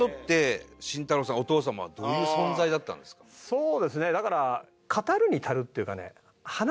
そうですねだから。